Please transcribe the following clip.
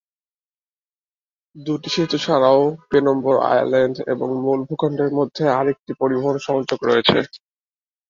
দুটি সেতু ছাড়াও, পেনম্বর আইল্যান্ড এবং মূল ভূখন্ডের মধ্যে আরেকটি পরিবহন সংযোগ রয়েছে।